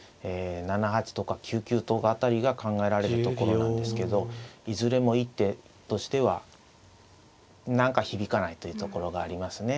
７八とか９九とか辺りが考えられるところなんですけどいずれも一手としては何か響かないというところがありますね。